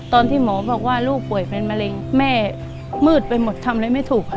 ตอนที่หมอบอกว่าลูกป่วยเป็นมะเร็งแม่มืดไปหมดทำอะไรไม่ถูกค่ะ